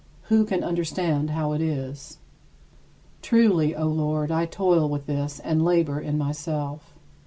Who can understand how it is? 25. Truly, O Lord, I toil with this and labor in myself.